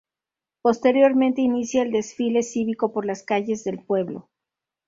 Posteriormente inicia el desfile cívico por las calles del pueblo.